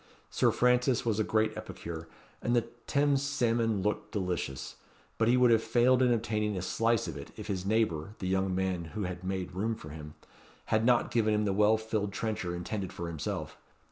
Sir Francis was a great epicure, and the Thames salmon looked delicious; but he would have failed in obtaining a slice of it, if his neighbour (the young man who had made room for him) had not given him the well filled trencher intended for himself.